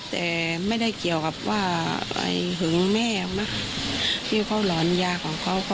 แต่ไม่ได้เกี่ยวกับว่าหึงแม่ที่เขาหลอนยาของเขา